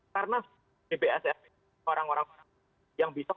karena di bssn orang orang yang bisok